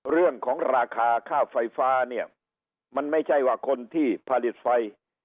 เรื่องของราคาค่าไฟฟ้าเนี่ยมันไม่ใช่ว่าคนที่ผลิตไฟ